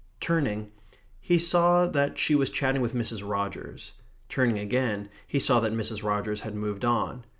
Turning, he saw that she was chatting with Mrs. Rogers. Turning again, he saw that Mrs. Rogers had moved on.